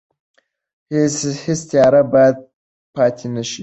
هیڅ تیاره باید پاتې نه شي.